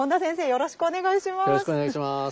よろしくお願いします。